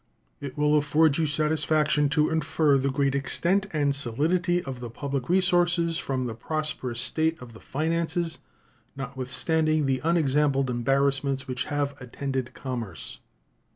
It will afford you satisfaction to infer the great extent and solidity of the public resources from the prosperous state of the finances, notwithstanding the unexampled embarrassments which have attended commerce.